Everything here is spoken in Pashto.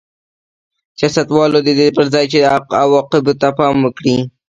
سیاستوالو د دې پر ځای چې عواقبو ته پام وکړي